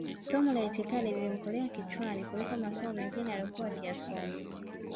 somo la itikadi lilimkolea kichwani kuliko masomo mengine aliyokuwa ankiyasoma